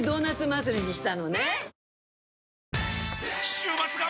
週末が！！